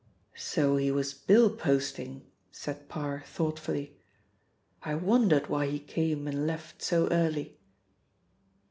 "So he was bill posting," said Parr thoughtfully. "I wondered why he came and left so early."